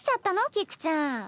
菊ちゃん。